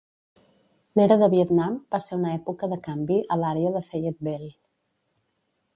L'era de Vietnam va ser una època de canvi a l'àrea de Fayetteville.